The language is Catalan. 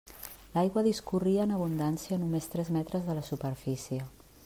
L'aigua discorria en abundància a només tres metres de la superfície.